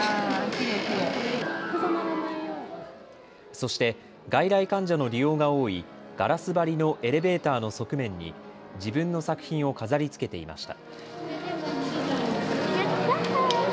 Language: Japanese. そして外来患者の利用が多いガラス張りのエレベーターの側面に自分の作品を飾りつけていました。